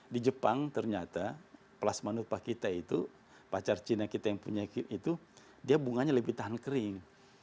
di jepang ternyata plasma nurpa kita itu pacar cina kita yang punya itu dia bunganya lebih tahan kering